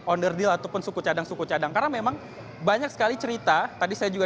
onder deal ataupun suku cadang suku cadang karena memang banyak sekali cerita tadi saya juga